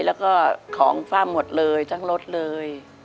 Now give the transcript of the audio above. แล้วก็ของฝ้าหมดเลยทั้งรถเลย